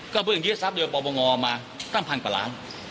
ก็เรื่องที่เจ้าทรัพย์โดยประมงอมาตั้งพันป่าร้าน